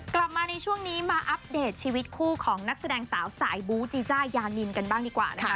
กลับมาในช่วงนี้มาอัปเดตชีวิตคู่ของนักแสดงสาวสายบูจีจ้ายานินกันบ้างดีกว่านะคะ